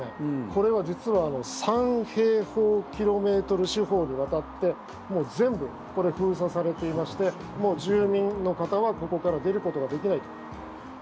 これは実は３平方キロメートル四方にわたってもう全部これ、封鎖されていましてもう住民の方はここから出ることができないと。